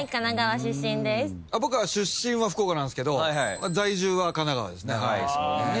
僕は出身は福岡なんすけど在住は神奈川ですね。